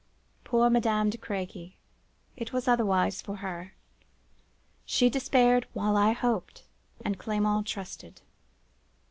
Poor Madame de Crequy! it was otherwise with her; she despaired while I hoped, and Clement trusted.